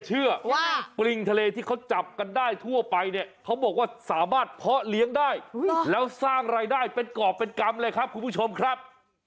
ปริงทะเลที่เขาจับกันได้ทั่วไปเนี่ยเขาบอกว่าสามารถเพาะเลี้ยงได้แล้วสร้างรายได้เป็นกรอบเป็นกรรมเลยครับคุณผู้ชมครับ